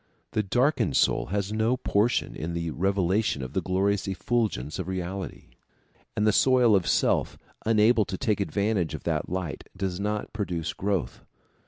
The darkened soul has no portion of the revelation of the glorious effulgence of reality, and the soil of self, unable to take advantage of that light, does not produce growth.